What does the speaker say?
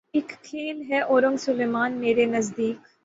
اک کھیل ہے اورنگ سلیماں مرے نزدیک